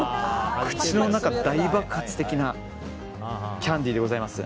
口の中、大爆発的なキャンディーでございます。